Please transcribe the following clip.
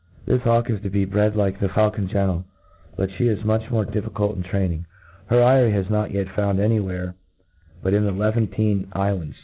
THIS hawk is to be bred like the faulcon gentle ; but ihe is much more difficult in train^* irig* Her eyrie has not b^en yet found any where but in the Levahtmc iflands.